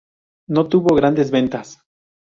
No tuvo grandes ventas.